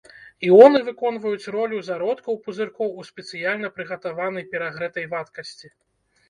Іоны выконваюць ролю зародкаў пузыркоў у спецыяльна прыгатаванай перагрэтай вадкасці.